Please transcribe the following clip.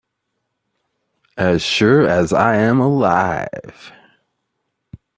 As sure as I am alive